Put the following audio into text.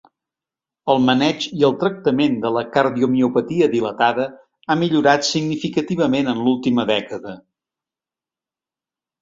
El maneig i el tractament de la cardiomiopatia dilatada ha millorat significativament en l'última dècada.